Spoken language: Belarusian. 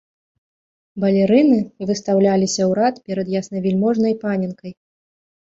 Балерыны выстаўляліся ў рад перад яснавяльможнай паненкай.